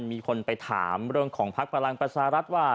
มีคนไปถามเรื่องของภักดิ์พลังประชารัฐว่า